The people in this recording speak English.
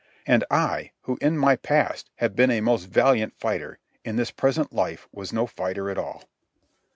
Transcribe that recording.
And I, who in my past have been a most valiant fighter, in this present life was no fighter at all.